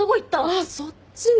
あっそっちね。